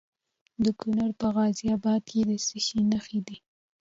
د کونړ په غازي اباد کې د څه شي نښې دي؟